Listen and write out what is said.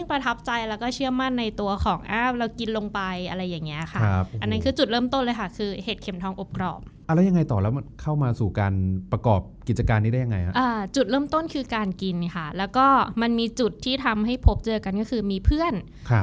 อะไรอย่างนี้ค่ะก็หันไปมองกับเพื่อน